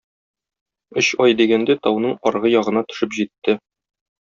Өч ай дигәндә тауның аргы ягына төшеп җитте.